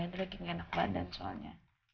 dia lagi gak enak badan soalnya